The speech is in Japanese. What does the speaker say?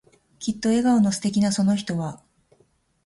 きっと笑顔の素敵なその人は、